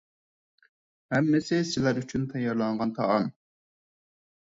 ھەممىسى سىلەر ئۈچۈن تەييارلانغان تائام.